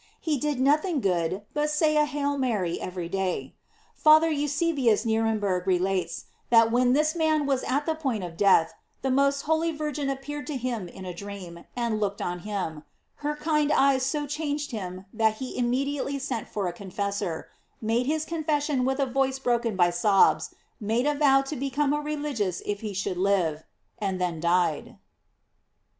He did nothing good but say a ''Hail Mary" every day. Father Eu eebius Nierembergh relates, that when this man was at the point of death the most holy Virgin appeared to him in a dream and looked on him; her kind eyes so changed him that he immediate ly sent for a confessor, made his confession with a voice broken by sobs, made a vow to be come a religious if he should live, and then died.